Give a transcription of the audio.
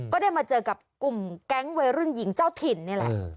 ก็ได้มาเจอกับกลุ่มแก๊งวัยรุ่นหญิงเจ้าถิ่นนี่แหละ